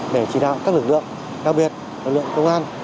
để chỉ đạo các lực lượng đặc biệt lực lượng công an